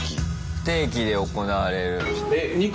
不定期で行われる。